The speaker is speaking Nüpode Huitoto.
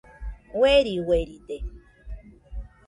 Ueri ueride